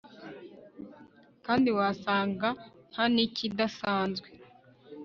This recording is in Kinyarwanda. kandi wasanga ntanikidasanzwe